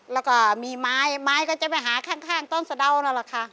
แล้วก็มีไม้ไม้ก็จะไปหาข้างต้นสะดาวนั่นแหละค่ะ